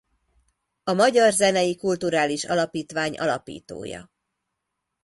A Magyar Zenei Kulturális Alapítvány alapítója.